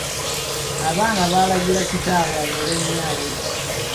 Abaana baalagira kitaabwe agobe maama wabwe.